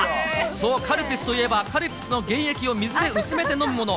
そう、カルピスといえばカルピスの原液を水で薄めて飲むもの。